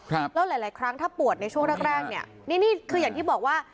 แล้วหลายหลายครั้งถ้าปวดในช่วงแรกแรกเนี่ยนี่นี่คืออย่างที่บอกว่า